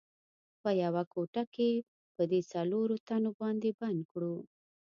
په یوه کوټه کې په دې څلورو تنو باندې بند کړو.